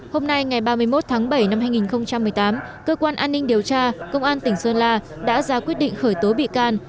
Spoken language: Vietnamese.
hôm nay ngày ba mươi một tháng bảy năm hai nghìn một mươi tám cơ quan an ninh điều tra công an tỉnh sơn la đã ra quyết định khởi tố bị can